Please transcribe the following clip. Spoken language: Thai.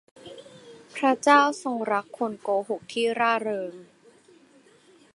พระเจ้าทรงรักคนโกหกที่ร่าเริง